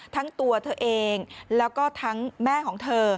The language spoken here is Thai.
ทั้งตัวเธอเองแล้วก็ทั้งแม่ของเธอ